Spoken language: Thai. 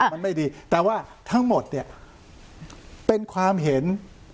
มันไม่ดีแต่ว่าทั้งหมดเนี่ยเป็นความเห็น